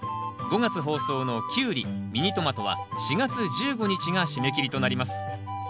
５月放送のキュウリミニトマトは４月１５日が締め切りとなります。